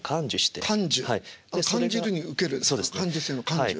「感じる」に「受ける」の感受性の感受。